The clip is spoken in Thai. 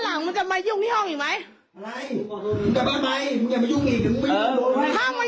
ทำยังรู้ถึงว่าประศนาเห้อ